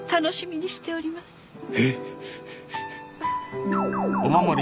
えっ！？